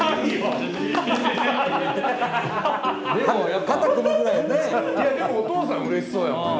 でもお父さんうれしそうやもん。